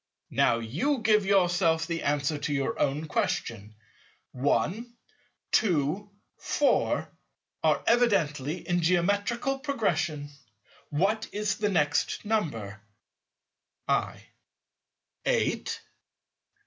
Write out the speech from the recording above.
Now you can give yourself the answer to your own question: 1, 2, 4, are evidently in Geometrical Progression. What is the next number? I. Eight.